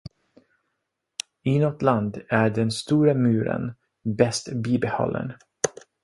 Inåt land är den stora muren bäst bibehållen.